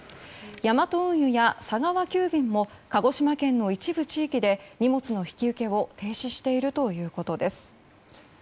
ヤマト運輸や佐川急便も鹿児島県の一部地域で荷物の引き受けを停止しているということです。